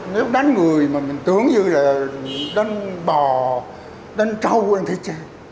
nếu đánh người mà mình tưởng như là đánh bò đánh trâu đánh thịt